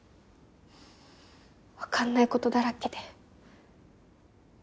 分かんないことだらけで。